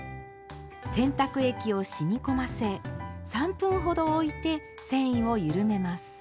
洗濯液をしみ込ませ３分ほどおいて繊維を緩めます。